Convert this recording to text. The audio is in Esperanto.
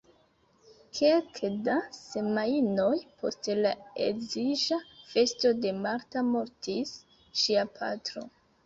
Kelke da semajnoj post la edziĝa festo de Marta mortis ŝia patro.